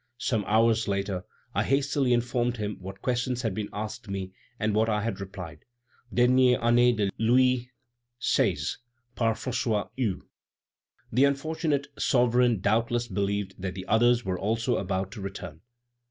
Some hours later, I hastily informed him what questions had been asked me and what I had replied." (Dernières Années de Louis XVI., par François Hue.) The unfortunate sovereign doubtless believed that the others were also about to return.